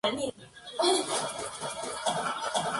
El resultado global es un perímetro con forma de pera.